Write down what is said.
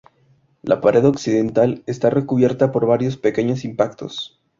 La pared occidental está recubierta por varios pequeños impactos.